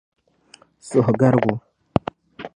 suhugarigu.